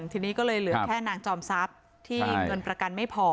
ทีนี้ก็เลยเหลือแค่นางจอมทรัพย์ที่เงินประกันไม่พอ